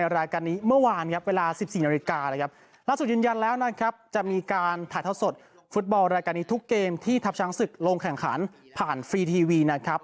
รายการนี้ทุกเกมที่ทัพช้างศึกลงแข่งขันผ่านฟรีทีวีนะครับ